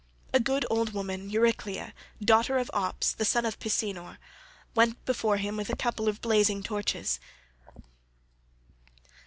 A good old woman, Euryclea, daughter of Ops, the son of Pisenor, went before him with a couple of blazing torches.